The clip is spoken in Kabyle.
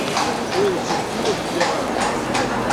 Ula d aselkim ur t-liɣ ara.